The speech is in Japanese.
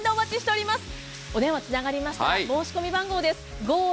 お電話つながりましたら申し込み番号です。